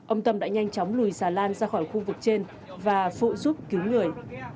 ông tâm đã nhanh chóng lùi xà lan ra khỏi khu vực trên và phụ giúp cứu người